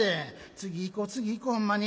次行こ次行こほんまに。